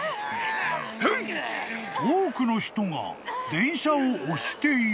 ［多くの人が電車を押している］